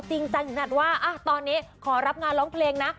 จริงจังถึงขนาดว่าตอนนี้ขอรับงานร้องเพลงนะ